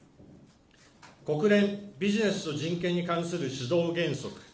国連ビジネスと人権に関する指導原則。